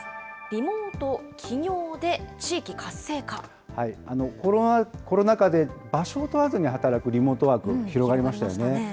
リモート起業で地域活性コロナ禍で場所を問わずに働くリモートワーク、広がりましたよね。